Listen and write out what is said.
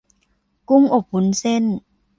กุ้งอบวุ้นเส้น